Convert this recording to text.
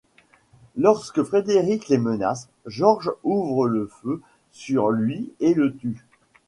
Lorsque Frederick les menace, George ouvre le feu sur lui et le tue.